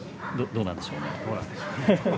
どうなんでしょう？